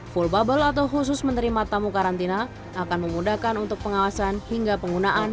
full bubble atau khusus menerima tamu karantina akan memudahkan untuk pengawasan hingga penggunaan